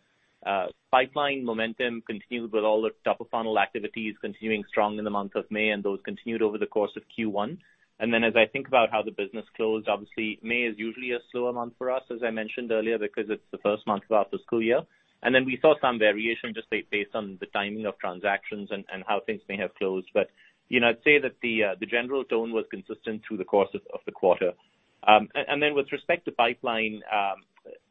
pipeline momentum continued with all the top-of-funnel activities continuing strong in the month of May, and those continued over the course of Q1. As I think about how the business closed, obviously, May is usually a slower month for us, as I mentioned earlier, because it's the first month of our fiscal year. We saw some variation just based on the timing of transactions and how things may have closed. I'd say that the general tone was consistent through the course of the quarter. With respect to pipeline,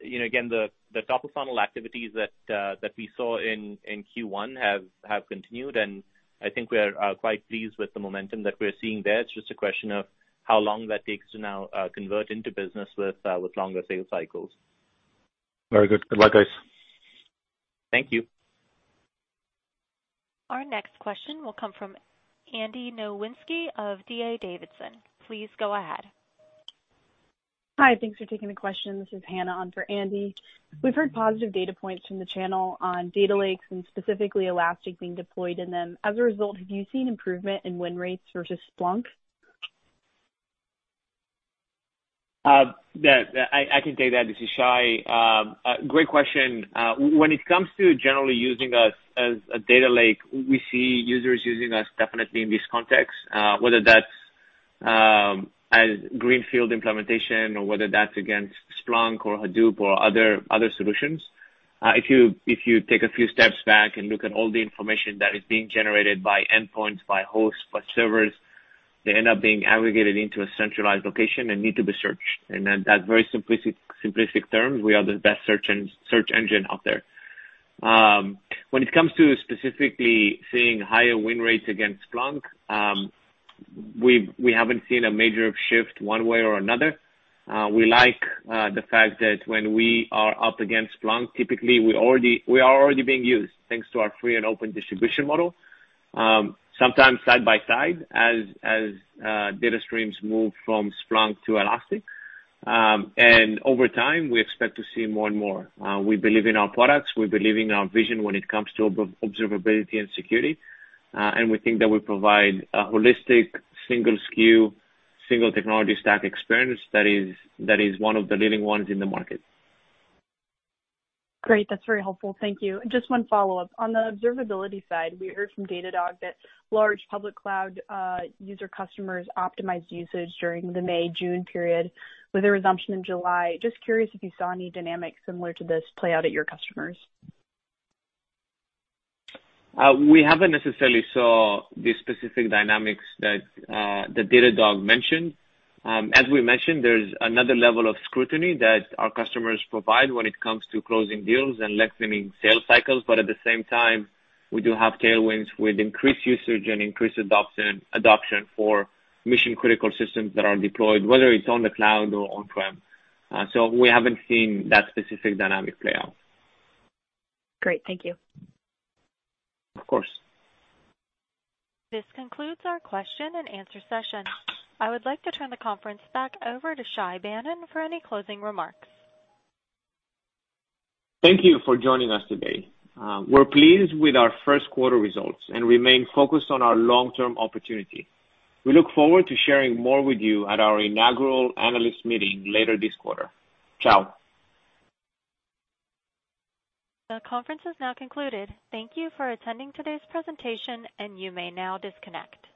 again, the top-of-funnel activities that we saw in Q1 have continued, and I think we're quite pleased with the momentum that we're seeing there. It's just a question of how long that takes to now convert into business with longer sales cycles. Very good. Good luck, guys. Thank you. Our next question will come from Andy Nowinski of D.A. Davidson. Please go ahead. Hi, thanks for taking the question. This is Hannah on for Andy. We've heard positive data points from the channel on data lakes and specifically Elastic being deployed in them. As a result, have you seen improvement in win rates versus Splunk? I can take that. This is Shay. Great question. When it comes to generally using us as a data lake, we see users using us definitely in this context, whether that's as greenfield implementation or whether that's against Splunk or Hadoop or other solutions. If you take a few steps back and look at all the information that is being generated by endpoints, by hosts, by servers, they end up being aggregated into a centralized location and need to be searched. In that very simplistic terms, we are the best search engine out there. When it comes to specifically seeing higher win rates against Splunk, we haven't seen a major shift one way or another. We like the fact that when we are up against Splunk, typically, we are already being used, thanks to our free and open distribution model, sometimes side by side as data streams move from Splunk to Elastic. Over time, we expect to see more and more. We believe in our products, we believe in our vision when it comes to Observability and Security, and we think that we provide a holistic, single SKU, single technology stack experience that is one of the leading ones in the market. Great. That's very helpful. Thank you. Just one follow-up. On the Observability side, we heard from Datadog that large public cloud user customers optimized usage during the May, June period with a resumption in July. Just curious if you saw any dynamics similar to this play out at your customers. We haven't necessarily saw the specific dynamics that Datadog mentioned. As we mentioned, there's another level of scrutiny that our customers provide when it comes to closing deals and lengthening sales cycles. At the same time, we do have tailwinds with increased usage and increased adoption for mission-critical systems that are deployed, whether it's on the cloud or on-prem. We haven't seen that specific dynamic play out. Great. Thank you. Of course. This concludes our question and answer session. I would like to turn the conference back over to Shay Banon for any closing remarks. Thank you for joining us today. We're pleased with our first quarter results and remain focused on our long-term opportunity. We look forward to sharing more with you at our inaugural analyst meeting later this quarter. Ciao. The conference has now concluded. Thank you for attending today's presentation, and you may now disconnect.